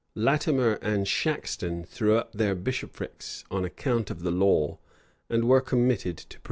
Latimer and Shaxton threw up their bishoprics on account of the law, and were committed to prison.